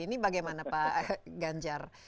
ini bagaimana pak ganjar